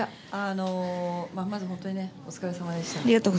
まず本当にお疲れさまでした。